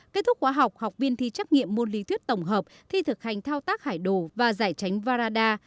kết thúc khóa học học viên thi trắc nghiệm môn lý thuyết tổng hợp thi thực hành thao tác hải đồ và giải tránh varada